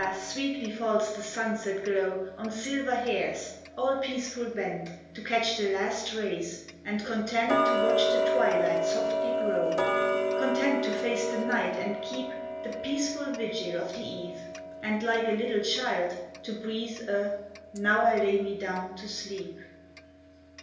sweetly falls the sunset glow On silver hairs, all peaceful bent To catch the last rays, and content To watch the twilight softly grow ; Content to face the night and keep The peaceful vigil of the eve, And like a little child to breathe A " Now I lay me down to sleep."